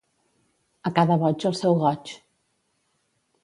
A cada boig, el seu goig.